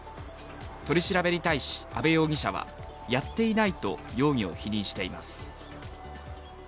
取り調べに対し阿部容疑者はやっていないと容疑を否認しています。